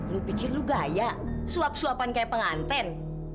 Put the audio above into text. lu pikir lu gaya suap suapan kayak penganten